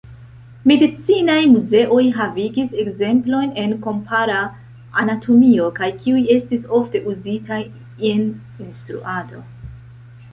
Medicinaj muzeoj havigis ekzemploj en kompara anatomio, kaj tiuj estis ofte uzitaj en instruado.